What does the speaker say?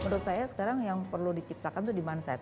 menurut saya sekarang yang perlu diciptakan itu demand side